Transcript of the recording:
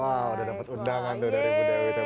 wah udah dapet undangan dari ibu dewi